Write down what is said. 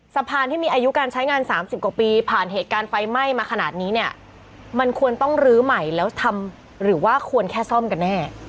สะพานที่มีอายุการใช้งาน๓๐กว่าปีผ่านเหตุการณ์ไฟไหม้มาขนาดนี้เนี่ยมันควรต้องลื้อใหม่แล้วทำหรือว่าควรแค่ซ่อมกันแน่